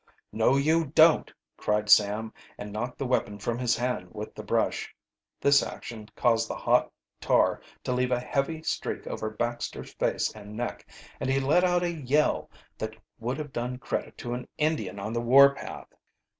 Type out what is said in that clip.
"No, you don't!" cried Sam, and knocked the weapon from his hand with the brush. This action caused the hot tar to leave a heavy streak over Baxter's face and neck, and he let out a yell that would have done credit to an Indian on the warpath.